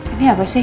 ini apa sih